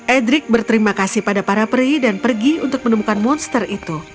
edric berterima kasih pada para peri dan pergi untuk menemukan monster itu